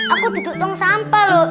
aku duduk tong sampah loh